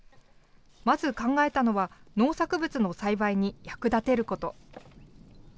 まず考えたのは、農作物の栽培に役立てること。